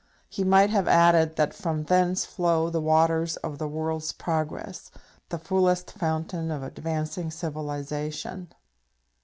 He might have added that from thence flow the waters of the world's progress, the fullest fountain of advancing civilization.